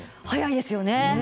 早いですよね。